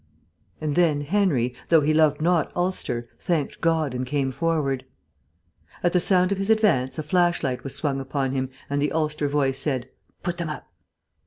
And then Henry, though he loved not Ulster, thanked God and came forward. At the sound of his advance a flashlight was swung upon him, and the Ulster voice said, "Put them up!"